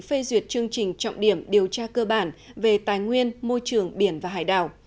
phê duyệt chương trình trọng điểm điều tra cơ bản về tài nguyên môi trường biển và hải đảo